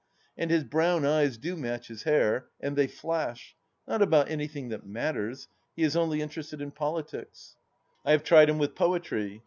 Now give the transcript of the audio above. And his brown eyes do match his hair, and they flash ; not about anything that matters : he is only interested in politics. I have tried him with poetry.